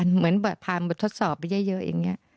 เหมือนผ่านบทสอบมาเยอะอย่างนี้